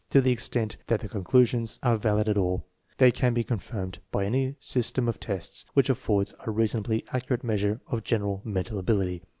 To the extent that the con clusions are valid at all, they can be confirmed by any system of tests which affords a reasonably accurate measure of general mental ability.